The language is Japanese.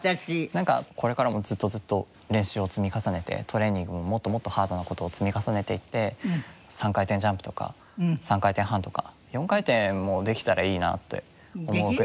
なんかこれからもずっとずっと練習を積み重ねてトレーニングももっともっとハードな事を積み重ねていって３回転ジャンプとか３回転半とか４回転もできたらいいなって思うくらい。